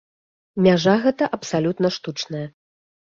Мяжа гэта абсалютна штучная.